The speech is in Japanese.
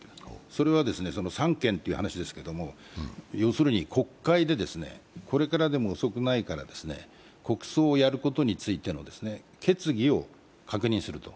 それは三権という話ですけれども要するに国会で、これからでも遅くないから国葬をやることについての決議を確認すると。